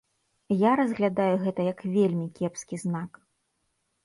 Я разглядаю гэта як вельмі кепскі знак.